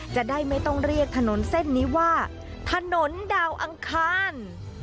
จะได้ไม่ต้องเรียกถนนเส้นนี้ว่าถนนดาวอังคาร